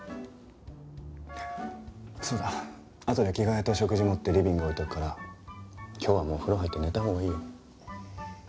そうだあとで着替えと食事持ってリビング置いておくから今日はもう風呂入って寝たほうがいいよ。